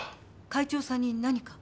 会長さんに何か？